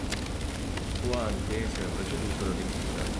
Può anche essere preceduta da diffida.